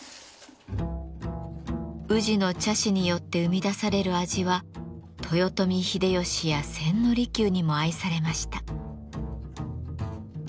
宇治の茶師によって生み出される味は豊臣秀吉や千利休にも愛されました。